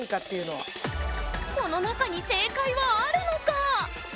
この中に正解はあるのか？